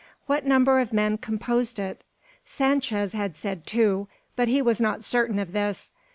What number of men composed it? Sanchez had said two, but he was not certain of this.